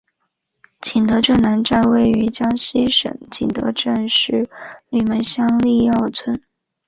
景德镇南站位于江西省景德镇市吕蒙乡历尧村。